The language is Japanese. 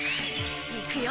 いくよ！